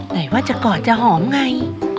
ไหนว่าจะกอดจะหอมไง